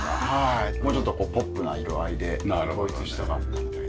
もうちょっとポップな色合いで統一したかったみたいではい。